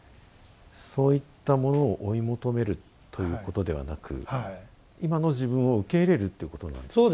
そういったものを追い求めるということではなく今の自分を受け入れるってことなんですか？